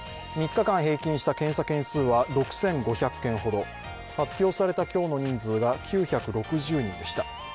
３日間平均した検査件数は６５００件ほど発表された今日の人数が９６０人でした。